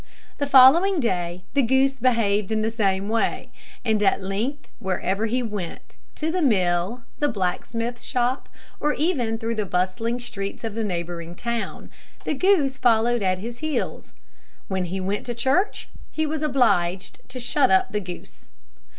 The following day the goose behaved in the same way; and at length, wherever he went to the mill, the blacksmith's shop, or even through the bustling streets of the neighbouring town the goose followed at his heels. When he went to church, he was obliged to shut up the goose.